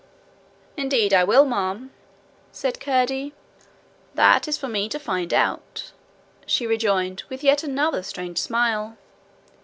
'Indeed I will, ma'am,' said Curdie. 'That is for me to find out,' she rejoined, with yet another strange smile.